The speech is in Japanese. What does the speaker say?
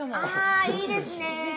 あいいですね。